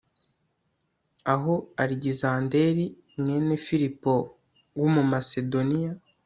aho alegisanderi, mwene filipo w'umumasedoniya